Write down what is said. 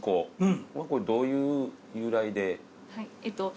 これどういう由来で？